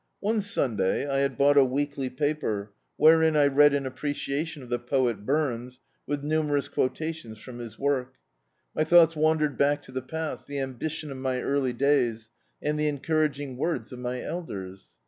One Sunday, I had bought a weekly paper, wherein I read an appreciation of the poet Bums, with numerous quotations from his work. My thoughts wandered back to the past, the ambition of my early days, and the encouraging words of my elders.